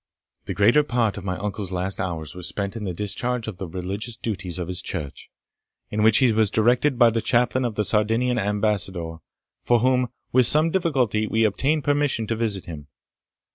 The greater part of my uncle's last hours were spent in the discharge of the religious duties of his church, in which he was directed by the chaplain of the Sardinian ambassador, for whom, with some difficulty, we obtained permission to visit him.